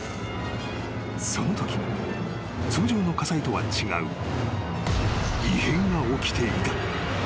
［そのとき通常の火災とは違う異変が起きていた］